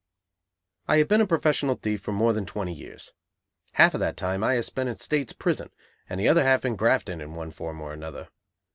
_ I have been a professional thief for more than twenty years. Half of that time I have spent in state's prison, and the other half in "grafting" in one form or another.